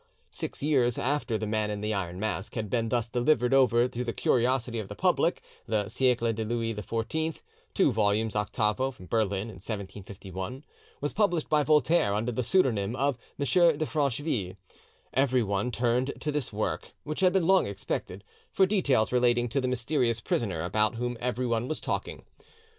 Six years after the Man in the Mask had been thus delivered over to the curiosity of the public, the 'Siecle de Louis XIV' (2 vols. octavo, Berlin, 1751) was published by Voltaire under the pseudonym of M. de Francheville. Everyone turned to this work, which had been long expected, for details relating to the mysterious prisoner about whom everyone was talking.